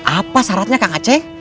apa syaratnya kang aceh